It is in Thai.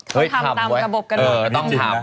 เขาทำตามกระบบกระดูก